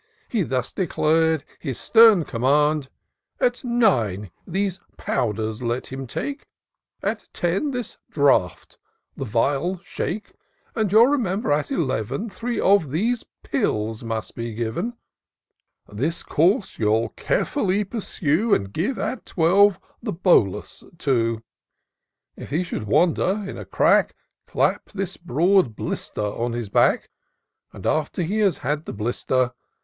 He thus declar'd his stem command :" At nine, these powders let him take ; At ten, this draught — the phial shake ; And you'll remember, at eleven, Three of these pills must then be given ; This course you'll carefiilly pursue. And give, at twelve, the bolus too : If he should wander, in a crack Clap this broad blister on his back ; And, after he has had the blister.